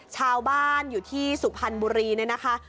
ชาวบ้านอยู่ที่สุพรรณบุรีเนี่ยนะคะ